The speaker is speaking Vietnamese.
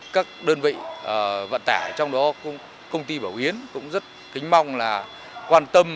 các đơn vị vận tải trong đó công ty bảo yến cũng rất kính mong là quan tâm